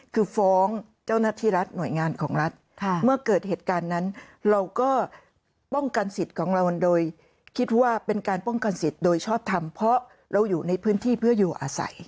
คือฟ้องเจ้าหน้าที่รัฐหน่วยงานของรัฐเมื่อเกิดเหตุการณ์นั้นเราก็ป้องกันสิทธิ์ของเราโดยคิดว่าเป็นการป้องกันสิทธิ์โดยชอบทำเพราะเราอยู่ในพื้นที่เพื่ออยู่อาศัย